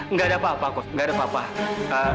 enggak ada apa apa kok enggak ada apa apa